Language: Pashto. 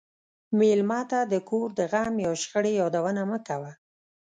مېلمه ته د کور د غم یا شخړې یادونه مه کوه.